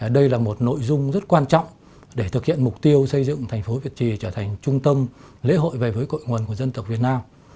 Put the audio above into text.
đây là một nội dung rất quan trọng để thực hiện mục tiêu xây dựng thành phố việt trì trở thành trung tâm lễ hội về với cội nguồn của dân tộc việt nam